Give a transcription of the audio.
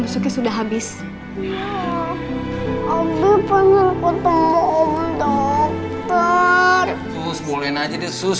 sus bolehin aja deh sus